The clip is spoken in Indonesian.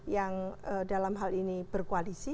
yang dalam hal ini berkoalisi